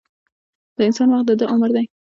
د انسان وخت دده عمر دی.